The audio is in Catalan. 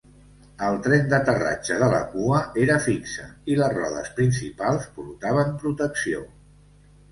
El tren d'aterratge de la cua era fixe i les rodes principals portaven protecció.